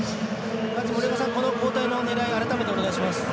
森岡さん、この交代のねらい改めて、お願いします。